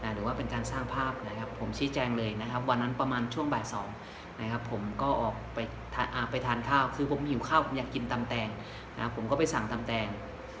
หรือว่าเป็นการสร้างภาพนะครับผมชี้แจงเลยนะครับวันนั้นประมาณช่วงบ่าย๒นะครับผมก็ออกไปทานข้าวคือผมหิวข้าวผมอยากกินตำแตงผมก็ไปสั่งตำแตง